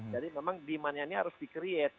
jadi memang demand nya ini harus di create